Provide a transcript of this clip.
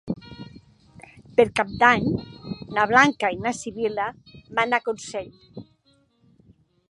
Per Cap d'Any na Blanca i na Sibil·la van a Consell.